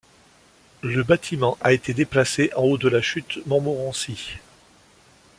Le bâtiment a été déplacé en haut de la chute Montmorency.